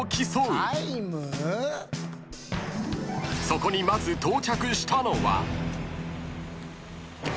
［そこにまず到着したのは］